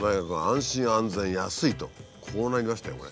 こうなりましたよこれ。